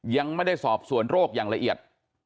ยังไม่ได้สอบส่วนโรคอย่างละเอียด